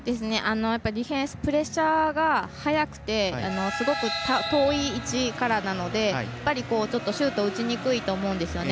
ディフェンスプレッシャーが早くてすごく遠い位置からなのでシュート打ちにくいと思うんですね。